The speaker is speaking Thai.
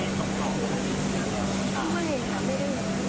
มีความรู้สึกว่าความรู้สึกไม่ได้หรือไม่ได้ความรู้สึก